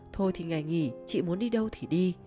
thôi thì ngày nghỉ chị muốn đi đâu thì đi